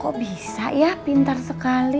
kok bisa ya pintar sekali